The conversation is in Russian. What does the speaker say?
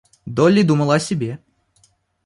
Долли думала о себе.